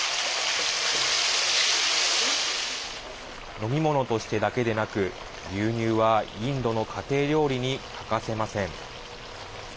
飲み物としてだけでなく牛乳は、インドの家庭料理に欠かせません。